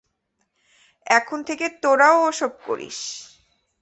এখন থেকে তোরা ও-সব করিস।